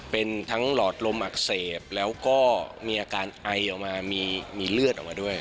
เป็นทั้งหลอดลมอักเสบแล้วก็มีอาการไอออกมามีเลือดออกมาด้วย